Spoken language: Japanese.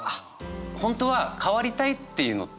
本当は変わりたいっていうのって